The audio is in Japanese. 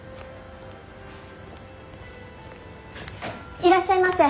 いらっしゃいませ。